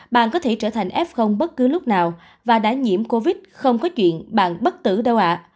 bạn có thể trở thành f bất cứ lúc nào và đã nhiễm covid không có chuyện bạn bất tử đâu ạ